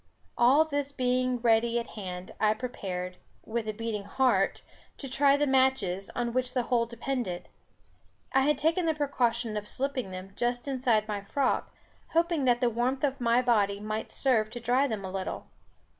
All this being ready at hand, I prepared, with a beating heart, to try the matches, on which the whole depended. I had taken the precaution of slipping them just inside my frock, hoping that the warmth of my body might serve to dry them a little.